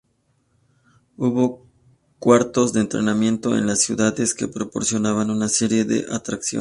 Hubo cuartos de entretenimiento en las ciudades que proporcionaban una serie de atracciones.